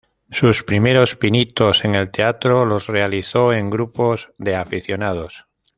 Sus primeros pinitos en el teatro los realizó en grupos de aficionados.